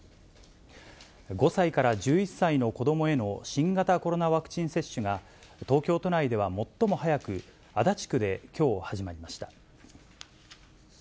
５歳から１１歳の子どもへの新型コロナワクチン接種が、東京都内では最も早く、足立区できょう始まりました。